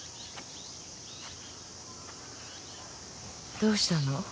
どうしたの？